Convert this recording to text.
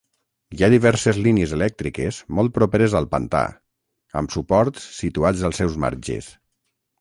Hi ha diverses línies elèctriques molt properes al pantà, amb suports situats als seus marges.